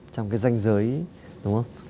trong cái danh giới đúng không